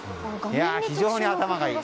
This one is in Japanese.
非常に頭がいい。